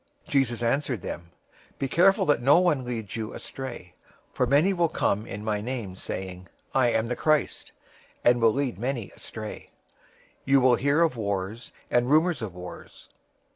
024:004 Jesus answered them, "Be careful that no one leads you astray. 024:005 For many will come in my name, saying, 'I am the Christ,' and will lead many astray. 024:006 You will hear of wars and rumors of wars.